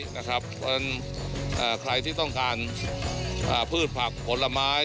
เพราะฉะนั้นใครที่ต้องการพืชผักผลไม้